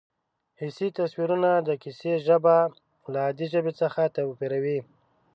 حسي تصویرونه د کیسې ژبه له عادي ژبې څخه توپیروي